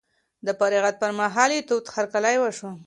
د فراغت پر مهال یې تود هرکلی وشو.